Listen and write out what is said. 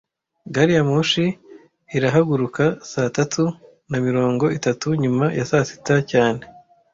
Gari ya moshi irahaguruka saa tatu na mirongo itatu nyuma ya saa sita cyane